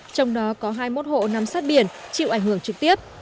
trong đó có hai mươi một hộ nằm sát biển chịu ảnh hưởng trực tiếp